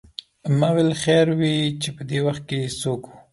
ما ویل خیر وې چې پدې وخت څوک و.